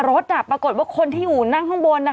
ปรากฏว่าคนที่อยู่นั่งข้างบน